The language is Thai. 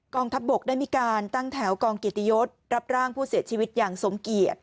ทัพบกได้มีการตั้งแถวกองเกียรติยศรับร่างผู้เสียชีวิตอย่างสมเกียจ